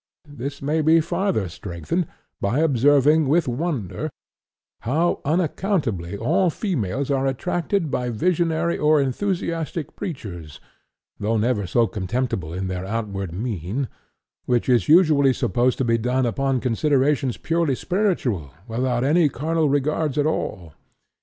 This may be farther strengthened by observing with wonder how unaccountably all females are attracted by visionary or enthusiastic preachers, though never so contemptible in their outward mien; which is usually supposed to be done upon considerations purely spiritual, without any carnal regards at all.